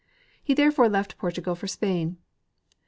He therefore left Portugal for Sjjain.